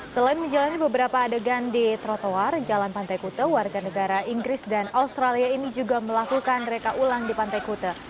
selain menjalani beberapa adegan di trotoar jalan pantai kute warga negara inggris dan australia ini juga melakukan reka ulang di pantai kute